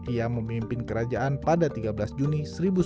ia memimpin kerajaan pada tiga belas juni seribu sembilan ratus empat puluh